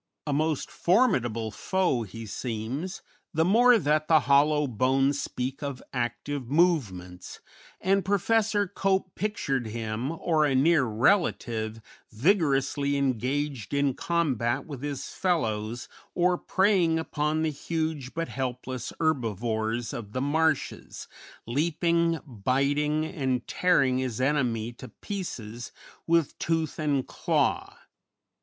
A most formidable foe he seems, the more that the hollow bones speak of active movements, and Professor Cope pictured him, or a near relative, vigorously engaged in combat with his fellows, or preying upon the huge but helpless herbivores of the marshes, leaping, biting, and tearing his enemy to pieces with tooth and claw.